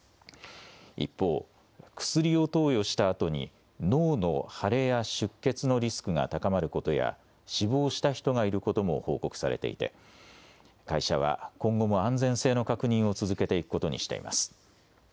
一方、薬を投与したあとに脳の腫れや出血のリスクが高まることや死亡した人がいることも報告されていて会社は今後も安全性の確認を続けていくことにしています。